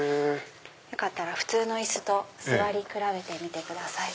よかったら普通の椅子と座り比べてみてください。